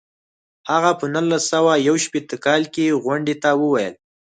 هغه په نولس سوه یو شپیته کال کې غونډې ته وویل.